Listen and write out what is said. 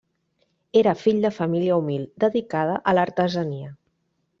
Era fill de família humil, dedicada a l'artesania.